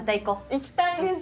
行きたいです。